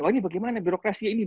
wah ini bagaimana birokrasi ini